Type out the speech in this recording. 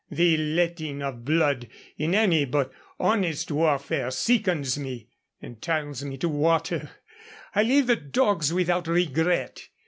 The letting of blood in any but honest warfare sickens me and turns me to water. I leave the dogs without regret.